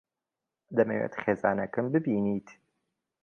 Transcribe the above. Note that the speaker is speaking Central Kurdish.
دەمەوێت خێزانەکەم ببینیت.